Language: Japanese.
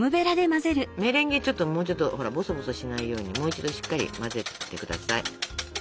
メレンゲちょっともうちょっとほらボソボソしないようにもう一度しっかり混ぜて下さい。